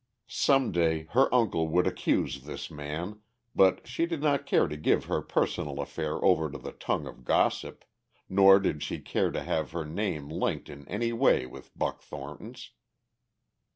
Some day her uncle would accuse this man, but she did not care to give her personal affair over to the tongue of gossip, nor did she care to have her name linked in any way with Buck Thornton's.